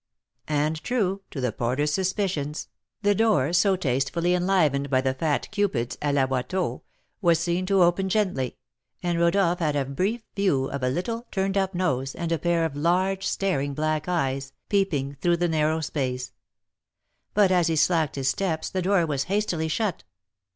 And, true to the porter's suspicions, the door so tastefully enlivened by the fat Cupids, à la Watteau, was seen to open gently, and Rodolph had a brief view of a little, turned up nose, and a pair of large, staring black eyes, peeping through the narrow space; but, as he slacked his steps, the door was hastily shut.